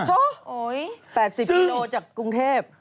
โอ๊ยแปดสิบกิโลจากกรุงเทพฯซึ่ง